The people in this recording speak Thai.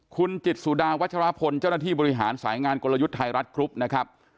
คุณจิตสุดาวัชรพลเจ้าหน้าที่บริหารสายงานกลยุทธ์ไทยรัฐกรุ๊ปนะครับ